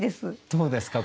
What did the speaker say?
どうですか？